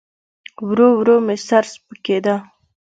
ورو ورو مې سر سپکېده.